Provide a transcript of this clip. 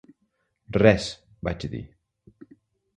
"Res", vaig dir.